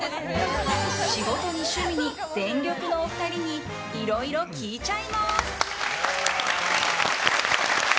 仕事に趣味に全力のお二人にいろいろ聞いちゃいます！